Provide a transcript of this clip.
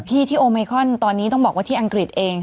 ที่ที่โอไมคอนตอนนี้ต้องบอกว่าที่อังกฤษเอง